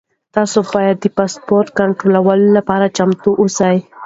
تاسو باید د پاسپورټ کنټرول لپاره چمتو اوسئ.